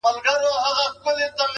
په قېمت لکه سېپۍ او مرغلري!!